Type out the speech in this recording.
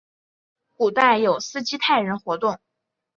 古代有斯基泰人活动。